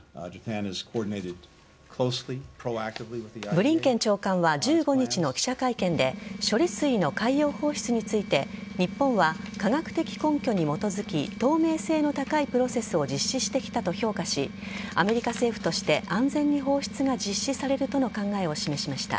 ブリンケン長官は１５日の記者会見で処理水の海洋放出について日本は科学的根拠に基づき透明性の高いプロセスを実施してきたと評価しアメリカ政府として安全に放出が実施されるとの考えを示しました。